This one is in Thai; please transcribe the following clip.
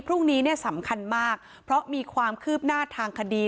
พรุ่งนี้เนี่ยสำคัญมากเพราะมีความคืบหน้าทางคดี